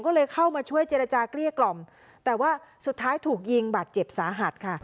ก็เลยเข้ามาช่วยเจรจาเกลี้ยกล่อมแต่ว่าสุดท้ายถูกยิงบาดเจ็บสาหัสค่ะ